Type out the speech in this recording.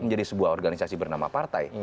menjadi sebuah organisasi bernama partai